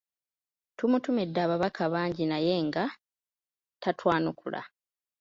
Tumutumidde ababaka bangi naye nga tatwanukula.